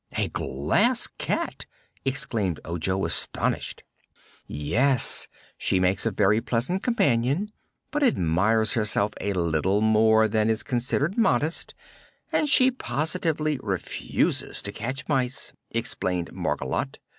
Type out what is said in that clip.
"A Glass Cat!" exclaimed Ojo, astonished. "Yes; she makes a very pleasant companion, but admires herself a little more than is considered modest, and she positively refuses to catch mice," explained Margolotte.